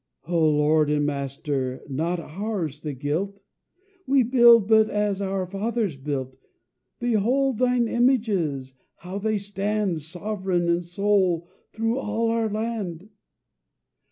"O Lord and Master, not ours the guilt, We build but as our fathers built; Behold thine images, how they stand, Sovereign and sole, through all our land.